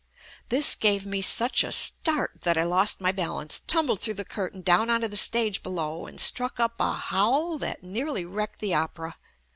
This gave me such a start that I lost my balance, tumbled through the curtain down onto the stage below and struck up a howl that nearly wrecked the opera.